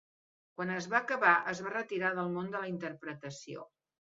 Quan es va acabar, es va retirar del món de la interpretació.